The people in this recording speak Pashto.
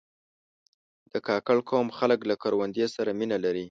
د کاکړ قوم خلک له کروندې سره مینه لري.